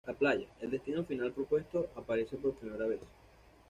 La playa, el destino final propuesto, aparece por primera vez.